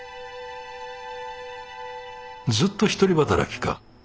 ずっと一人働きか？